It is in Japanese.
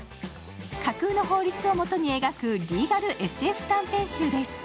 架空の法律をもとに描くリーガルＳＦ短編集です。